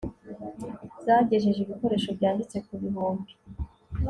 zagejeje ibikoresho byanditse ku bihumbi